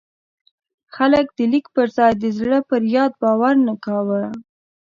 خلک د لیک پر ځای د زړه پر یاد باور نه کاوه.